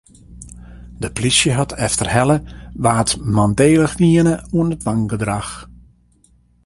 De polysje hat efterhelle wa't mandélich wiene oan it wangedrach.